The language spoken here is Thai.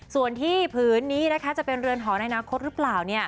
ส่วนที่ผืนนี้นะคะจะเป็นเรือนหอในอนาคตหรือเปล่า